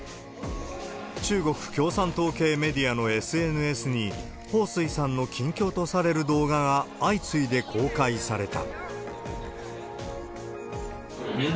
中国共産党系メディアのＳＮＳに、彭師さんの近況とされる動画が相次いで公開された。